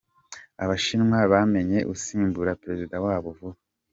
Abashinwa bamenye uzasimbura Perezida wabo vuba